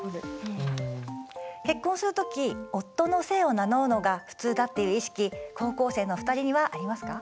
結婚する時夫の姓を名乗るのが普通だっていう意識高校生の２人にはありますか？